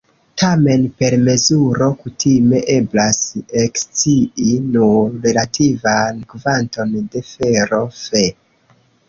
Tamen per mezuro kutime eblas ekscii nur relativan kvanton de fero Fe.